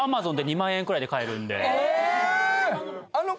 え！